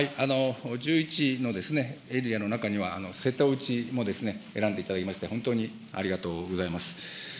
１１のエリアの中には、瀬戸内も選んでいただきまして本当にありがとうございます。